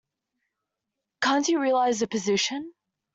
Can't you realize the position?